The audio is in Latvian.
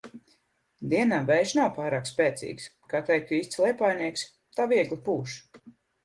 Dienā vējš nav pārāk spēcīgs, kā teiktu īsts liepājnieks – tā viegli pūš.